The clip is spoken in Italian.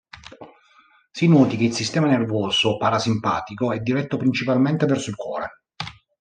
Si noti che il sistema nervoso parasimpatico è diretto principalmente verso il cuore.